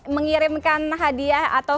mengirimkan hadiah atau